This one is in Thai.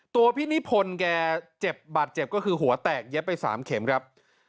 ตัวพี่นิพนธ์แกเจ็บบาดเจ็บก็คือหัวแตกเย็บไป๓เข็มครับ